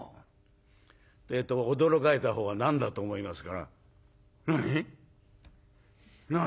ってえと驚かれた方は何だと思いますから「えっ！？何？」。